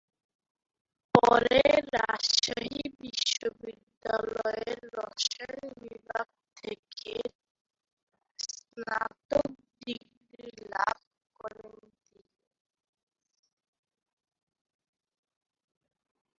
পরে রাজশাহী বিশ্ববিদ্যালয়ের রসায়ন বিভাগ থেকে স্নাতক ডিগ্রী লাভ করেন তিনি।